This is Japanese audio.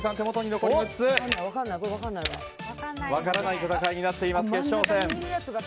分からない戦いになっています決勝戦。